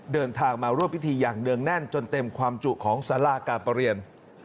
เดินทางมาร่วมพิธีอย่างเนื่องแน่นจนเต็มความจุของสาราการประเรียน